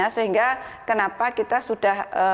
sehingga kenapa kita sudah